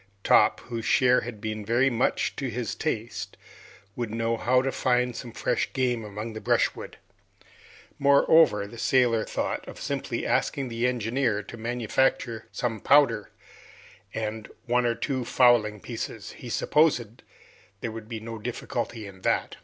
Top, whose share had been very much to his taste, would know how to find some fresh game among the brushwood. Moreover, the sailor thought of simply asking the engineer to manufacture some powder and one or two fowling pieces; he supposed there would be no difficulty in that.